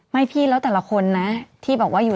ไม่พี่แล้วแต่ละคนนะที่บอกว่าอยู่